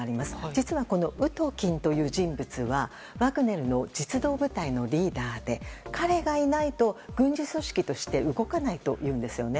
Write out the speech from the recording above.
実は、このウトキンという人物はワグネルの実動部隊のリーダーで彼がいないと、軍事組織として動かないというんですよね。